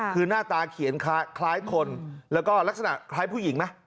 คือหน้าตาเขียนคล้ายคนแล้วก็ลักษณะคล้ายผู้หญิงไหม